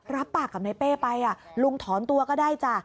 รับปากกับนายเป้ไปลุงถอนตัวก็ได้จ้ะ